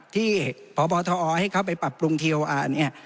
ที่พบทอให้เขาไปปรับปรุงทีโออาร์เนี่ย